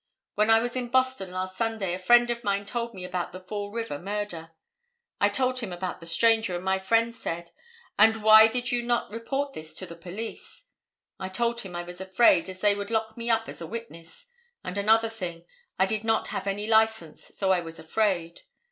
When I was in Boston last Sunday a friend of mine told me about the Fall River murder. I told him about the stranger, and my friend said: "And why did you not report this to the police?" I told him I was afraid, as they would lock me up as a witness, and another thing, I did not have any license, so I was afraid.